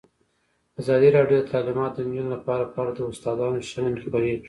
ازادي راډیو د تعلیمات د نجونو لپاره په اړه د استادانو شننې خپرې کړي.